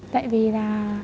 tại vì là